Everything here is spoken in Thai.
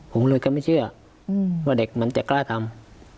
ผมเลยก็ไม่เชื่อว่าเด็กมันจะกล้าทำ